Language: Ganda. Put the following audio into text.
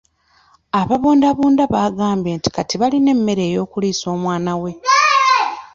Ababundabunda baagambye kati alina emmere ey'okuliisa omwana we.